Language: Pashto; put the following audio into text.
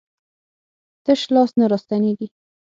تش لاس نه راستنېږي.